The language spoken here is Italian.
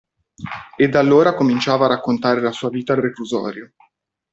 Ed allora cominciava a raccontare la sua vita al reclusorio.